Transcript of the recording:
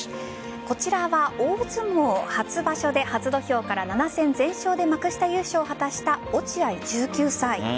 こちらは大相撲初場所で初土俵から７戦全勝で幕下優勝を果たした落合、１９歳。